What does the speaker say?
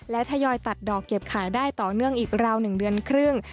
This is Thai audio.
และทยอยตัดดอกเก็บขายได้ต่อเนื่องอีกราว๑เดือนครึ่ง